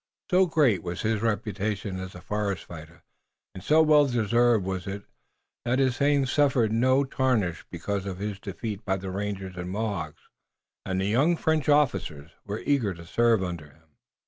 So great was his reputation as a forest fighter, and so well deserved was it, that his fame suffered no diminution, because of his defeat by the rangers and Mohawks, and the young French officers were eager to serve under him.